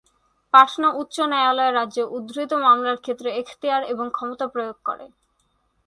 পাটনা উচ্চ ন্যায়ালয় রাজ্যে উদ্ভূত মামলার ক্ষেত্রে এখতিয়ার এবং ক্ষমতা প্রয়োগ করে।